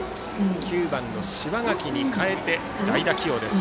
９番の柴垣に代えて代打起用です。